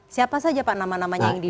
siapa saja pak nama namanya yang di